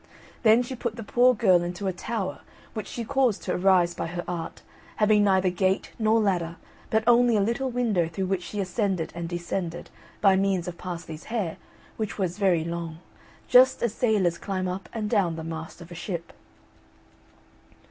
Then she put the poor girl into a tower which she caused to arise by her art, having neither gate nor ladder, but only a little window through which she ascended and descended by means of Parsley's hair, which was very long, just as sailors climb up and down the mast of a ship.